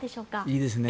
いいですね。